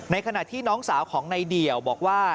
ขณะที่น้องสาวของนายเดี่ยวบอกว่า